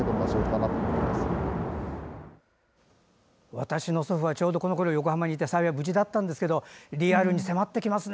私の祖父はちょうどこのころ横浜にいて幸い、無事だったんですけどリアルに迫ってきますね。